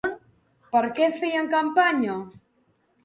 Per què feien campanya?